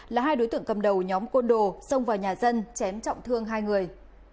là hai đối tượng cầm đầu nhóm côn đồ xông vào nhà dân chém trọng thương hai người